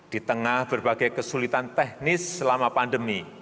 di tengah berbagai kesulitan teknis selama pandemi